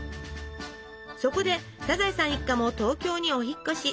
そこでサザエさん一家も東京にお引っ越し。